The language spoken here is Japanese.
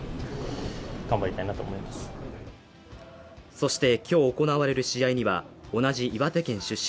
そして今日行われる試合には同じ岩手県出身。